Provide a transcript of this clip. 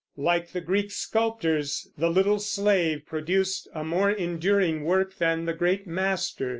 Like the Greek sculptors, the little slave produced a more enduring work than the great master.